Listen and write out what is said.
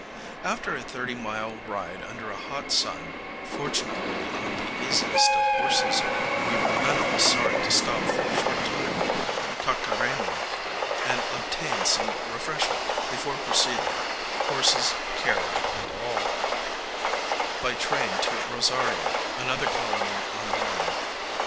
After a thirty mile ride under a hot sun, fortunately on the easiest of horses, we were none of us sorry to stop for a short time at Carcara├▒a, and obtain some refreshment, before proceeding horses, carriage, and all by train to Rosario, another colony on the line.